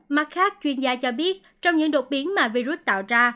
mặt khác chuyên gia cho biết trong những đột biến mà virus tạo ra